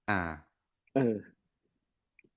อ่า